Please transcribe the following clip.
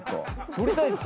撮りたいです。